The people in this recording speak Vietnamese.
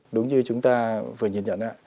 đúng như chúng ta vừa nhận nhận ạ